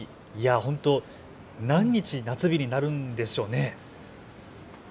本当、何日夏日になるんでしょうね。